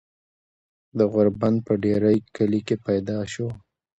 د غوربند پۀ ډهيرۍ کلي کښې پيدا شو ۔